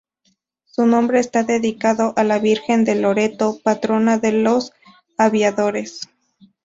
Su nombre está dedicado a la Virgen de Loreto, patrona de los aviadores.